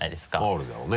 あるだろうね。